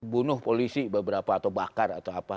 bunuh polisi beberapa atau bakar atau apa